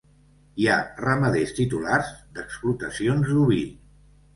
Hi ha ramaders titulars d'explotacions d'oví.